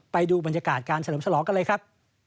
ไปดูบรรยากาศการเฉลิมฉลองกันเลยครับ